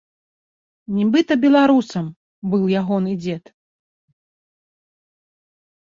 Нібыта беларусам быў ягоны дзед.